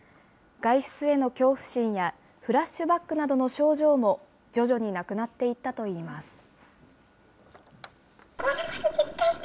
外出への恐怖心やフラッシュバックなどの症状も、徐々になくなっていったといいます。